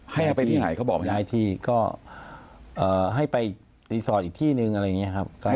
ให้เอาไปที่ไหนเขาบอกไม่ได้ที่ก็ให้ไปรีสอร์ทอีกที่นึงอะไรอย่างนี้ครับ